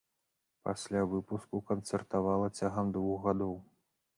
Пасля выпуску канцэртавала цягам двух гадоў.